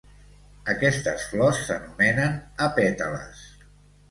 Aquestes flors s'anomenen apètales.